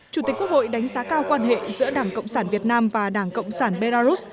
chủ tịch quốc hội đánh giá cao quan hệ giữa đảng cộng sản việt nam và đảng cộng sản belarus